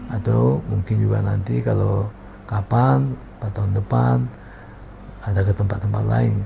atau mungkin juga nanti kalau kapan empat tahun depan ada ke tempat tempat lain